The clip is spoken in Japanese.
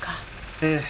ええ。